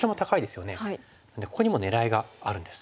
ここにも狙いがあるんです。